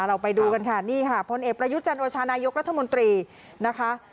เราไปดูกันค่ะนี่ค่ะพลเอกประยุทธ์จันโอชานายกรัฐมนตรีนะคะ